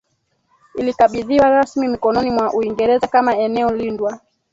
ilikabidhiwa rasmi mikononi mwa Uingereza kama eneo lindwa